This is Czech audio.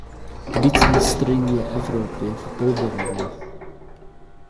Vicemistryně Evropy v boulderingu.